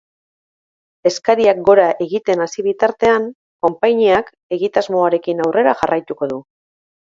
Eskariak gora egiten hasi bitartean, konpainiak egitasmoarekin aurrera jarraituko du.